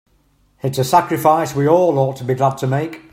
It's a sacrifice we all ought to be glad to make.